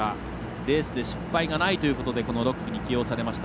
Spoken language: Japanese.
レースで失敗がないということでこの６区に起用されました。